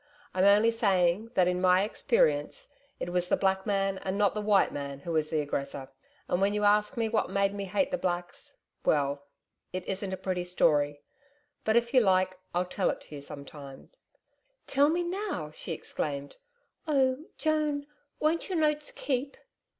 I'm only saying that in my experience it was the black man and not the white man who was the aggressor. And when you ask me what made me hate the Blacks well it isn't a pretty story but, if you like, I'll tell it to you some time.' 'Tell me now,' she exclaimed, 'Oh, Joan ... Won't your notes keep?'